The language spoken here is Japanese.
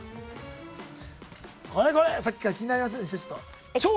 これこれさっきから気になりませんでした？